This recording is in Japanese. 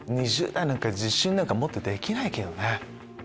２０代なんか自信持ってできないけどね。